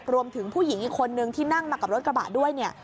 ผู้หญิงอีกคนนึงที่นั่งมากับรถกระบะด้วยเนี่ย